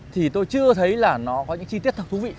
thì tôi chưa thấy là nó có những chi tiết thật thú vị